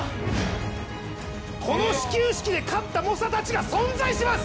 この始球式で勝った猛者たちが存在します。